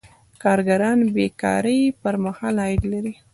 کارګران بې کارۍ پر مهال عاید لري.